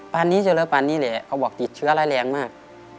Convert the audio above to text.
นี้เจอปานนี้แหละเขาบอกติดเชื้อร้ายแรงมาก